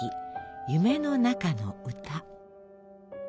「夢の中の歌」。